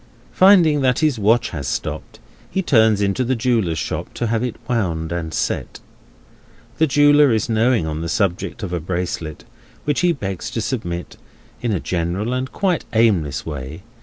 Finding that his watch has stopped, he turns into the jeweller's shop, to have it wound and set. The jeweller is knowing on the subject of a bracelet, which he begs leave to submit, in a general and quite aimless way.